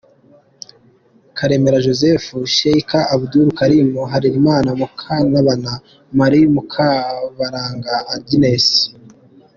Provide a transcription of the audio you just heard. Karemera Joseph , Sheikh Abdul Karim Harerimana, Mukantabana Marie , Mukabaranga Agnes.